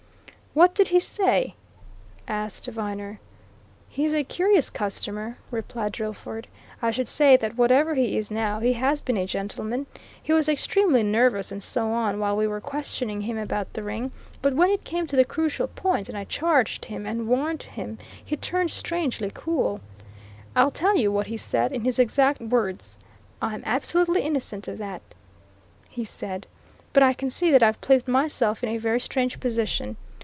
"What did he say?" asked Viner. "He's a curious customer," replied Drillford. "I should say that whatever he is now, he has been a gentleman. He was extremely nervous and so on while we were questioning him about the ring, but when it came to the crucial point, and I charged him and warned him, he turned strangely cool. I'll tell you what he said, in his exact words. 'I'm absolutely innocent of that!' he said. 'But I can see that I've placed myself in a very strange position.'